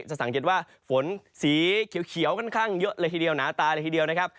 จะสังเกตว่าฝนสีเขียวค่อนข้างเยอะเลยทีเดียวหนาตาเลยทีเดียวนะครับ